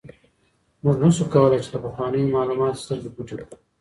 موږ نشو کولای چي له پخوانیو معلوماتو سترګې پټې کړو.